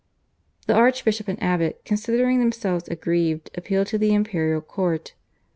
The archbishop and abbot, considering themselves aggrieved, appealed to the imperial court.